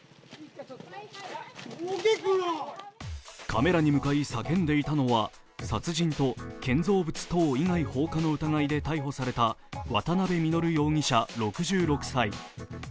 カメラに向かい叫んでいたのは殺人と建造物等以外放火の疑いで逮捕された渡部稔容疑者６６歳。